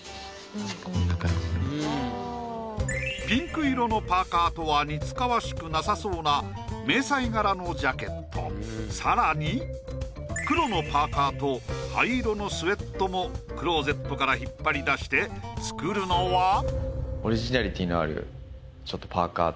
ピンク色のパーカーとは似つかわしくなさそうな迷彩柄のジャケットさらに黒のパーカーと灰色のスウェットもクローゼットから引っ張り出して作るのは。